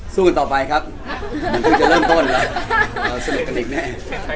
สู้กันต่อไปครับมันต้องเริ่มต้นแล้วสนุกกันอีกแน่